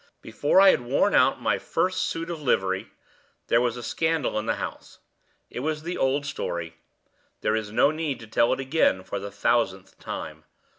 Before I had worn out my first suit of livery, there was a scandal in the house. It was the old story; there is no need to tell it over again for the thousandth time.